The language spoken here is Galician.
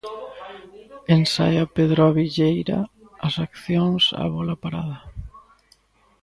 Ensaia Pedro Abilleira as accións a bóla parada.